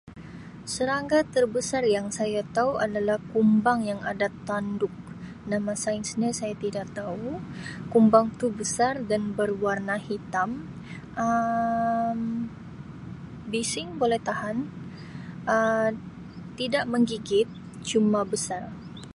Serangga terbesar yang saya tahu adalah kumbang yang ada tanduk, nama sainsnya saya tidak tahu. Kumbang tu besar dan berwarna hitam. Um Bising boleh tahan, Um tidak menggigit cuma besar.